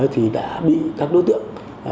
thì đã bị các đối tượng